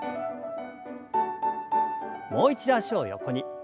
もう一度脚を横に。